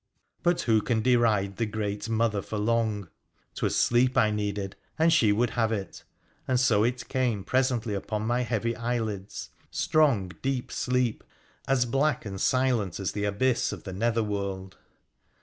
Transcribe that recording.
But who can deride the great mother for long ? 'Twas eleep I needed, and she would have it ; and so it came presently upon my heavy eyelids — strong, deep sleep as black and silent as the abyss of the nether world.